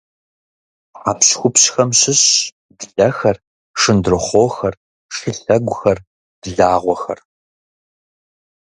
Хьэпщхупщхэм щыщщ блэхэр, шындрыхъуохэр, шылъэгухэр, благъуэхэр.